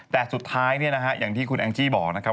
แต่สุดท้ายอย่างที่คุณแอลกี้บอกนะครับ